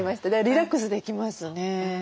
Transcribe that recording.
リラックスできますね。